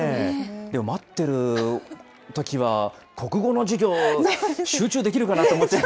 でも待ってるときは、国語の授業、集中できるかなと思っちゃう。